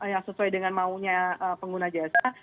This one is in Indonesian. yang sesuai dengan maunya pengguna jasa